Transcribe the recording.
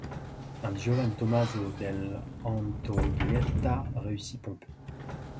Un Giovan Tomaso dell'Antoglietta réussi Pompée.